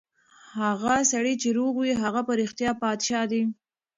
هغه سړی چې روغ وي، هغه په رښتیا پادشاه دی.